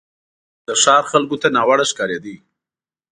د ښار خلکو ته ناوړه ښکارېدی.